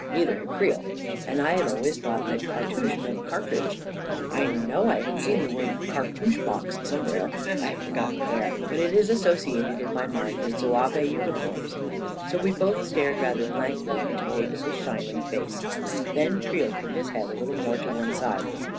Neither had Creel. And I had always thought that cartouche meant cartridge — I know I had seen the word car touche box somewhere, I have forgotten where, but it is associated in my mind with Zouave uniforms. So we both stared rather blankly into Davis's shin ing face. Then Creel put his head a little more to one side.